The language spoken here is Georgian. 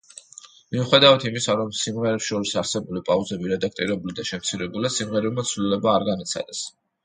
მიუხედავად იმისა, რომ სიმღერებს შორის არსებული პაუზები რედაქტირებული და შემცირებულია, სიმღერებმა ცვლილება არ განიცადეს.